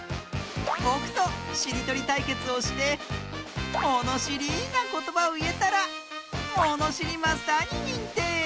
ぼくとしりとりたいけつをしてものしりなことばをいえたらものしりマスターににんてい！